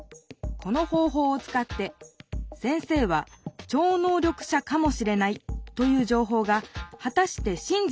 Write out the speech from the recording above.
この方ほうをつかって先生は超能力者かもしれないというじょうほうがはたしてしん